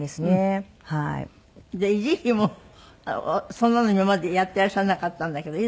維持費もそんなの今までやっていらっしゃらなかったんだけど。